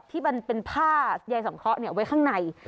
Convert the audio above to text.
ที่มันเป็นผ้ายายสังเคราะห์ไว้ข้างใน